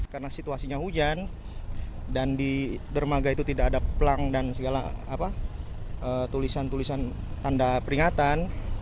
karena situasinya hujan dan di dermaga itu tidak ada pelang dan segala tulisan tulisan tanda peringatan